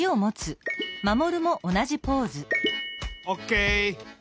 オーケー！